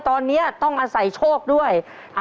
ตอนนี้ต้องอาศัยโชคด้วย